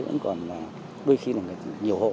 cũng còn đôi khi là nhiều hộ